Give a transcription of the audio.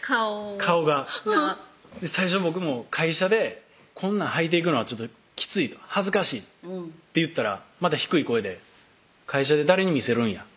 顔を最初僕も「会社でこんなんはいていくのはきつい」と「恥ずかしい」って言ったらまた低い声で「会社で誰に見せるんや」